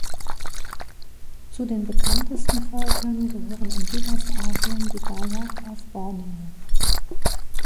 Zu den bekanntesten Völkern gehören in Südostasien die Dayak auf Borneo.